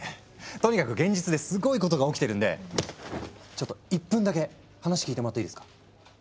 とにかく現実ですごいことが起きてるんでちょっと１分だけ話聞いてもらっていいですか？